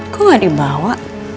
kok gak dibawa